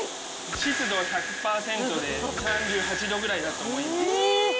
湿度１００％で３８度ぐらいだと思います。